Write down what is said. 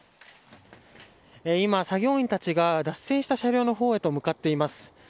今、作業員たちが脱線した車両の方へと向かっています。